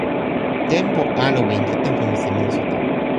tenpo Alowin li tenpo musi monsuta.